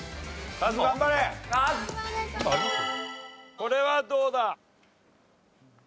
これはどうだ？